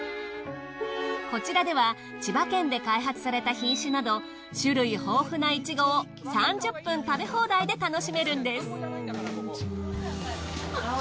こちらでは千葉県で開発された品種など種類豊富なイチゴを３０分食べ放題で楽しめるんです。